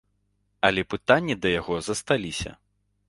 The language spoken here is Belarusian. Але пытанні да яго засталіся.